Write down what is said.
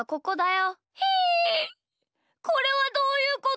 これはどういうこと？